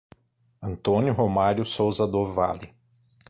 Antônio Romario Souza do Vale